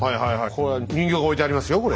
これは人形が置いてありますよこれ。